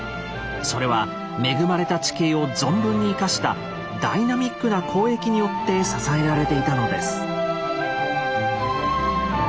それは恵まれた地形を存分に生かしたダイナミックな交易によって支えられていたのです。